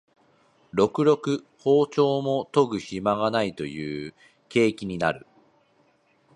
ろくろく庖丁も研ぐひまがないという景気になる